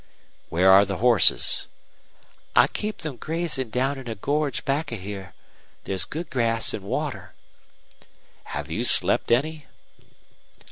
"Where are the horses?" "I keep them grazing down in a gorge back of here. There's good grass and water." "Have you slept any?"